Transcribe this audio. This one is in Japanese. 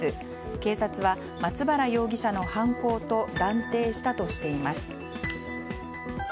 警察は松原容疑者の犯行と断定したとしています。